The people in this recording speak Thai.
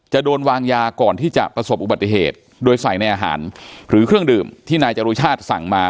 โดนวางยาก่อนที่จะประสบอุบัติเหตุโดยใส่ในอาหารหรือเครื่องดื่มที่นายจรุชาติสั่งมา